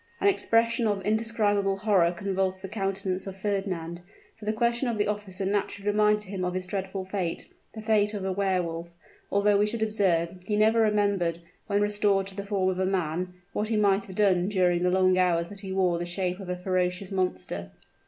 An expression of indescribable horror convulsed the countenance of Fernand; for the question of the officer naturally reminded him of his dreadful fate the fate of a Wehr Wolf although, we should observe, he never remembered, when restored to the form of a man, what he might have done during the long hours that he wore the shape of a ferocious monster.